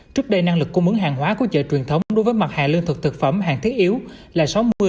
trước đây năng lực cung mướn hàng hóa của chợ truyền thống đối với mặt hạ lương thực thực phẩm hàng thiết yếu là sáu mươi bảy mươi